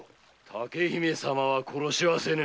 竹姫様は殺しはせぬ。